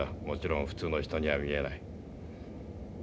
もちろん普通の人には見えない。